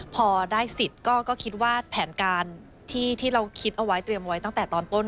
พอได้สิทธิ์ก็คิดว่าแผนการที่เราคิดเอาไว้เตรียมไว้ตั้งแต่ตอนต้น